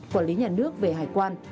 quản lý nhà nước về hải quan